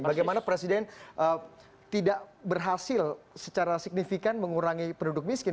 bagaimana presiden tidak berhasil secara signifikan mengurangi penduduk miskin